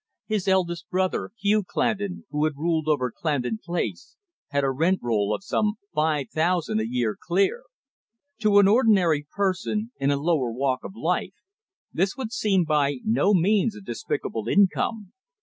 His eldest brother, Hugh Clandon, who had ruled over Clandon Place, had a rent roll of some five thousand a year clear. To an ordinary person, in a lower walk of life, this would seem by no means a despicable income.